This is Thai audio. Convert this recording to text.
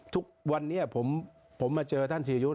ทุกวันนี้ผมมาเจอท่านชีวิต